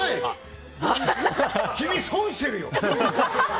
君、損してるよ！